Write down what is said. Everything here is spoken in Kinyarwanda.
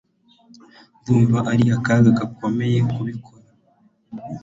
Ndumva ari akaga gakomeye kubikora